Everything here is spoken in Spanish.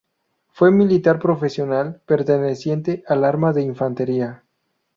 Fue militar profesional, perteneciente al arma de infantería.